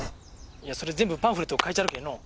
いやそれ全部パンフレットに書いちゃるけえのぅ。